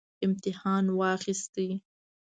امتحان واخیست